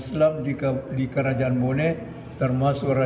melambangkan empat buah tiang yang berdiri